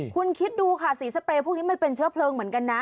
คุณคิดดูค่ะสีสเปรย์พวกนี้มันเป็นเชื้อเพลิงเหมือนกันนะ